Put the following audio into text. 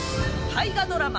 大河ドラマ